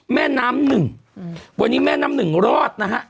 แม่น้ำหนึ่งวันนี้แม่น้ำหนึ่งรอดนะฮะ